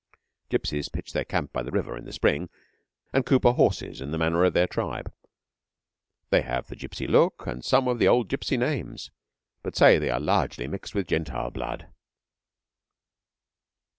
Gypsies pitch their camp by the river in the spring, and cooper horses in the manner of their tribe. They have the gypsy look and some of the old gypsy names, but say that they are largely mixed with Gentile blood.